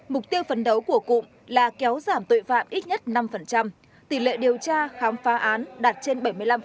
mục tiêu phấn đấu của cụm là kéo giảm tội phạm ít nhất năm tỷ lệ điều tra khám phá án đạt trên bảy mươi năm